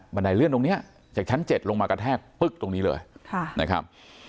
ไดเลื่อนตรงนี้จากชั้น๗ลงมากระแทกปึ๊กตรงนี้เลยนะครับ